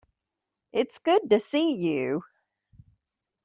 It's good to see you.